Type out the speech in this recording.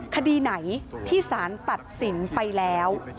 คดีไหนที่สารตัดสินไปแล้ว